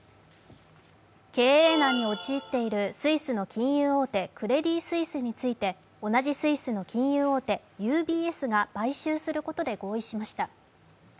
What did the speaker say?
経営難に陥っているスイスの金融大手、クレディ・スイスについて同じスイスの金融大手ＵＢＳが買収することで合意しました。